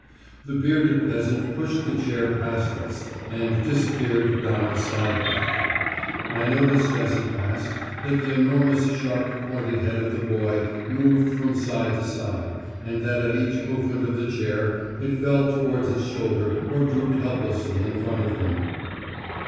The bearded peasant pushed the chair past us and disappeared down a side path. I noticed as he passed that the enormous sharp pointed head of the boy moved from side to side, and that at each movement of the chair it fell towards his shoulder or dropped helplessly in front of him.